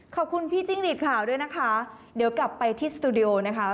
ขอบคุณพี่จิ้งหลีดข่าวด้วยนะคะเดี๋ยวกลับไปที่สตูดิโอนะคะ